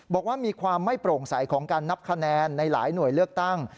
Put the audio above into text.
บอกว่ามีความไม่โปร่งใสของการนับคะแนนในหลายหน่วยเลือกตั้ง